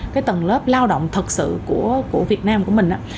cái tầng lớp lao động thật sự của việt nam của mình